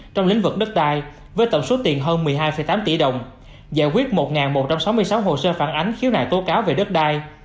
trong lĩnh vực đất đai với tổng số tiền hơn một mươi hai tám tỷ đồng giải quyết một một trăm sáu mươi sáu hồ sơ phản ánh khiếu nại tố cáo về đất đai